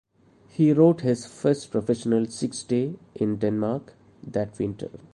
He rode his first professional six-day, in Denmark, that winter.